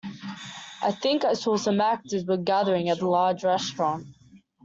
I think I saw some actors were gathering at a large restaurant.